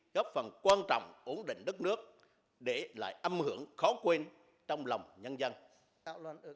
góp phần quan trọng ổn định đất nước để lại âm hưởng khó quên trong lòng nhân dân